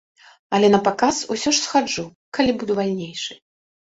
Але на паказ ўсё ж схаджу, калі буду вальнейшы.